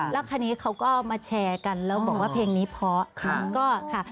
แล้วคราวนี้เขาก็มาแชร์กันแล้วบอกว่าเพลงนี้เพราะค่ะ